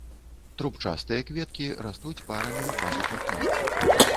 Трубчастыя кветкі растуць парамі ў пазухах лісця.